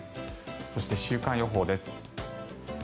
そして、週間予報です。